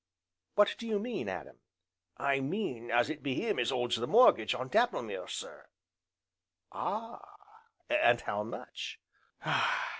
"What do you mean, Adam?" "I mean as it be him as holds the mortgage on Dapplemere, sir." "Ah, and how much?"